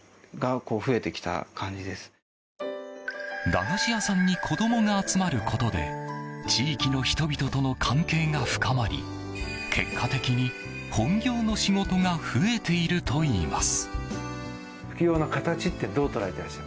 駄菓子屋さんに子供が集まることで地域の人々との関係が深まり結果的に本業の仕事が増えているといいます。